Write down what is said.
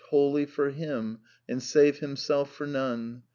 Wholly for Him and save himself for none.